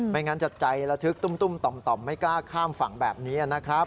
งั้นจะใจระทึกตุ้มต่อมไม่กล้าข้ามฝั่งแบบนี้นะครับ